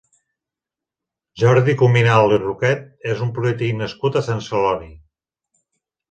Jordi Cuminal i Roquet és un polític nascut a Sant Celoni.